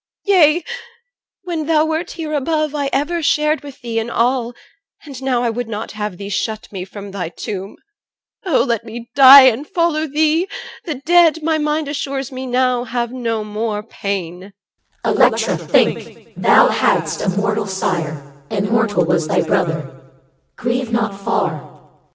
Yea, when thou wert here above, I ever shared with thee in all, and now I would not have thee shut me from thy tomb. Oh! let me die and follow thee! the dead, My mind assures me now, have no more pain. CH. Electra, think! Thou hadst a mortal sire, And mortal was thy brother. Grieve not far. OR.